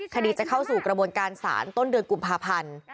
คดีจะเข้าสู่กระบวนการศาลต้นเดือนกุมภาพันธ์